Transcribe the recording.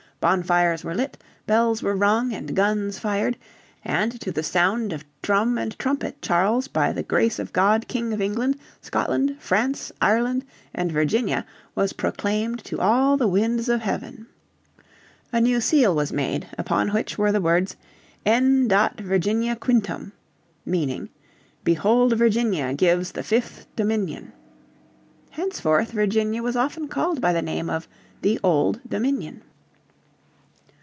Bonfires were lit, bells were rung and guns fired, and to the sound of drum and trumpet Charles by the Grace of God King of England, Scotland, France, Ireland and Virginia was proclaimed to all the winds of heaven. A new seal was made upon which were the words "En dat Virginia quintum" meaning "Behold Virginia gives the fifth (dominion)." Henceforth Virginia was often called by the name of the "Old Dominion."